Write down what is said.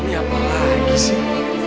ini apa lagi sih